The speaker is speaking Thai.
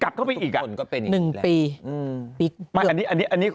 กลับเข้าไปอีกอ่ะหนึ่งปีอืมไม่อันนี้อันนี้อันนี้